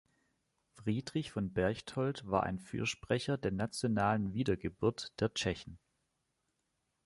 Friedrich von Berchtold war ein Fürsprecher der Nationalen Wiedergeburt der Tschechen.